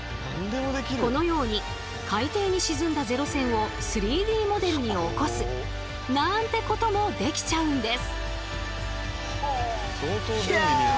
このように海底に沈んだ零戦を３Ｄモデルに起こすなんてこともできちゃうんです。